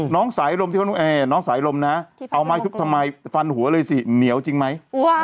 น้องสายลมนะเอามาทุบทำไมฟันหัวเลยสิเหนียวจริงไหม